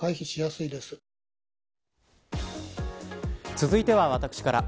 続いては私から。